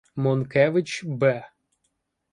Монкевич Б.